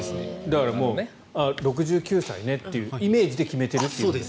だから、６９歳ねっていうイメージで決めてるという。